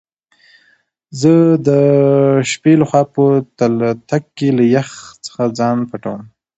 زه دشبی له خوا په تلتک کی له يخ ځخه ځان پټوم